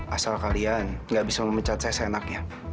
asal kalian nggak bisa memecat saya senaknya